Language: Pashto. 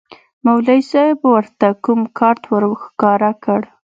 مولوي صاحب ورته کوم کارت ورښکاره کړ.